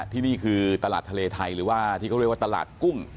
ที่นี่คือตลาดทะเลไทยหรือว่าที่เขาเรียกว่าตลาดกุ้ง